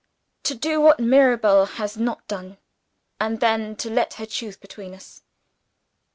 "To do what Mirabel has not done and then to let her choose between us."